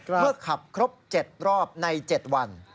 เมื่อขับครบ๗รอบใน๗วัน